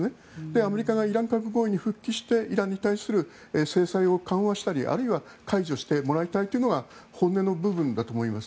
アメリカがイラン核合意に復帰してイランに対する制裁を緩和したりあるいは解除してもらいたいというのが本音の部分だと思います。